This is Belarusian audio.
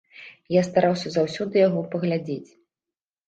Я стараўся заўсёды яго паглядзець.